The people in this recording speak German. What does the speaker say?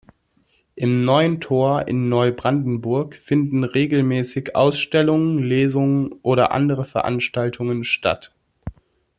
Im Neuen Tor in Neubrandenburg finden regelmäßig Ausstellungen, Lesungen oder andere Veranstaltungen statt.